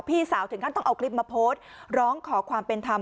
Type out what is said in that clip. พี่สาวถึงขั้นต้องเอาคลิปมาโพสต์ร้องขอความเป็นธรรม